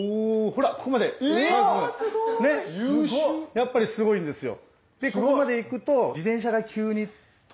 やっぱりすごいんですよ。